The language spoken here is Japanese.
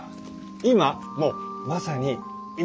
今もうまさに今。